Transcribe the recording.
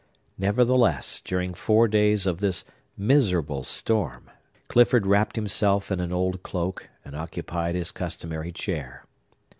Nevertheless, during four days of this miserable storm, Clifford wrapt himself in an old cloak, and occupied his customary chair.